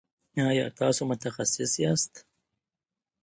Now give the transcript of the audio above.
ایا تاسو متخصص یاست؟